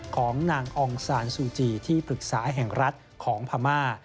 ของนางองซานซูจีที่ปรึกษาแห่งรัฐของพม่า